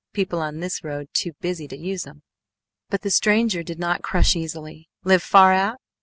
"People on this road too busy to use 'em." But the stranger did not crush easily: "Live far out?"